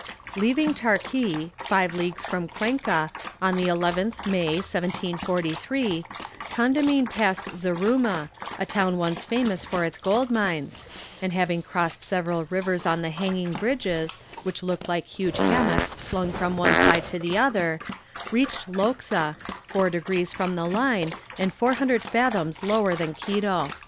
Leaving Tarqui, five leagues from Cuenca, on the 11th May, 1743, Condamine passed Zaruma, a town once famous for its gold mines, and having crossed several rivers on the hanging bridges, which look like huge hammocks slung from one side to the other, reached Loxa, four degrees from the line, and 400 fathoms lower than Quito.